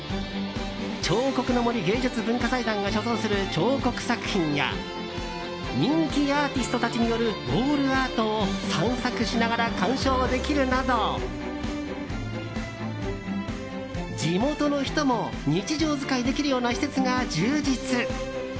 彫刻の森芸術文化財団が所蔵する彫刻作品や人気アーティストたちによるウォールアートを散策しながら鑑賞できるなど地元の人も日常使いできるような施設が充実。